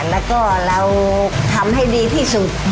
แล้วก็เราทำให้ดีที่สุด